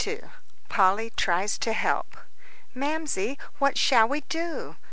XXII POLLY TRIES TO HELP "Mamsie, what shall we do?"